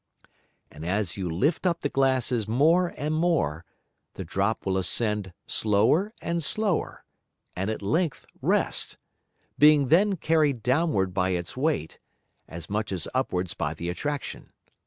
And as you lift up the Glasses more and more, the Drop will ascend slower and slower, and at length rest, being then carried downward by its Weight, as much as upwards by the Attraction.